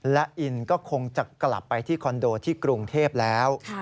และอินก็คงจะกลับไปที่คอนโดที่กรุงเทพแล้ว